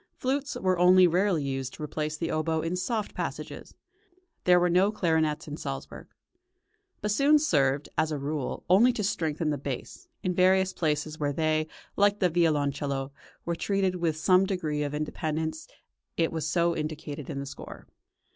Flutes were only rarely used to replace the oboe in soft passages; there were no clarinets in Salzburg. Bassoons served, as a rule, only to strengthen the bass; in various places where they, like the violoncello, were treated with some degree of independence it was so indicated in the score.